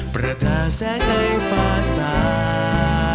ประธานแสงในฟ้าสา